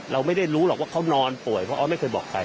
เราไม่ได้รู้หรอกว่าเขานอนป่วยเพราะออสไม่เคยบอกใคร